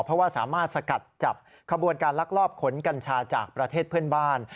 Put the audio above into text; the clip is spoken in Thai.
เพราะว่าสามารถสกัดจับขบวนการลักลอบขนกัญชาจากประเทศเพื่อนบ้าน